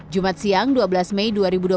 jumat siang dua belas mei dua ribu dua puluh